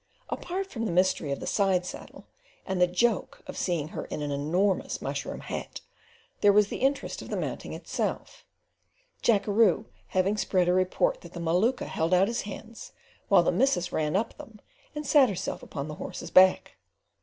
Apart from the mystery of the side saddle, and the joke of seeing her in an enormous mushroom hat, there was the interest of the mounting itself; Jackeroo having spread a report that the Maluka held out his hands, while the missus ran up them and sat herself upon the horse's back.